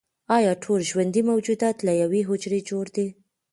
ایا ټول ژوندي موجودات له یوې حجرې جوړ دي